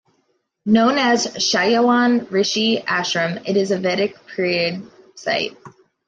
Known as Chyawan Rishi Ashram it is a Vedic period site.